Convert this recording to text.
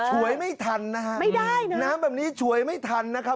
ชวยไม่ทันนะน้ำแบบนี้ชวยไม่ค่ะ